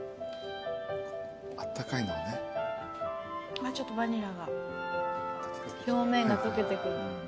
あっちょっとバニラが表面が溶けてくる。